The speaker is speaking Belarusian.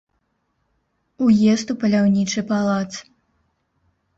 Уезд у паляўнічы палац.